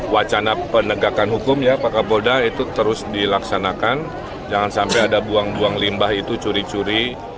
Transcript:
wacana penegakan hukum ya pak kapolda itu terus dilaksanakan jangan sampai ada buang buang limbah itu curi curi